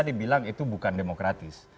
dibilang itu bukan demokratis